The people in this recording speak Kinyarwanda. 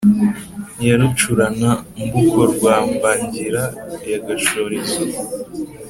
ya rucurana-mbuko rwa mbangira ya gashorezo,